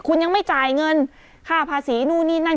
คุณยังไม่จ่ายเงินค่าภาษีนู่นนี่นั่น